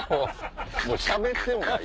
もうしゃべってもない。